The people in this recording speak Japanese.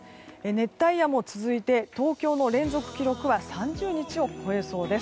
熱帯夜も続いて東京の連続記録は３０日を超えそうです。